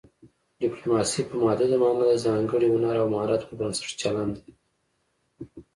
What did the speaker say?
ډیپلوماسي په محدوده مانا د ځانګړي هنر او مهارت پر بنسټ چلند دی